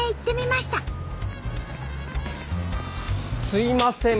すいません。